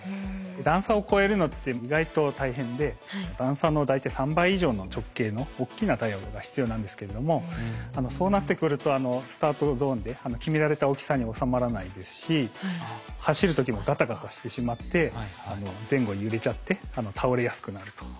段差を越えるのって意外と大変で段差の大体３倍以上の直径の大きなタイヤが必要なんですけれどもそうなってくるとスタートゾーンで決められた大きさに収まらないですし走る時もガタガタしてしまって前後に揺れちゃって倒れやすくなると。